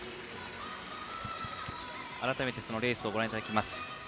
改めて、そのレースをご覧いただきます。